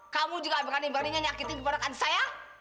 kamu juga berani beraninya nyakitin kepadakan saya